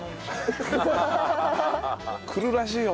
「来るらしいよ！」